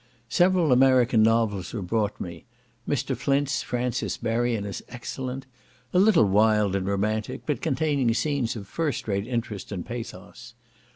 Several American novels were brought me. Mr. Flint's Francis Berrian is excellent; a little wild and romantic, but containing scenes of first rate interest and pathos.